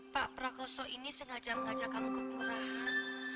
pak prakoso ini sengaja mengajak kamu ke kelurahan